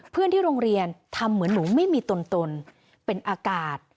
เพื่อนที่โรงเรียนทำเหมือนหนูไม่มีตนเป็นอากาศ